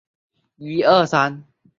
当政府官员盛世才率领的省军到达。